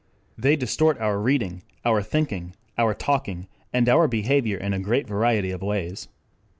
They distort our reading, our thinking, our talking and our behavior in a great variety of ways.